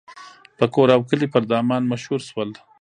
په کور او کلي پر دامان مشهور شول.